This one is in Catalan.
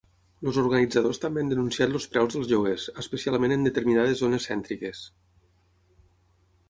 Els organitzadors també han denunciat els preus dels lloguers, especialment en determinades zones cèntriques.